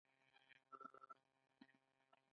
د تیلو بیه د ایران په ژوند اغیز لري.